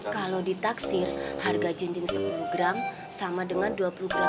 kalo di taksir harga cincin sepuluh gram sama dengan dua puluh gram